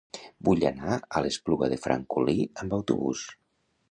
Vull anar a l'Espluga de Francolí amb autobús.